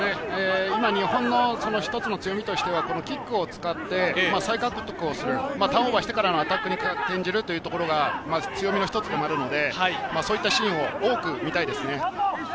日本の一つの強みとしてはキックを使って、再獲得をする、ターンオーバーしてからのアタックに転じるというところが強みの一つでもあるので、そういったシーンを多く見たいです。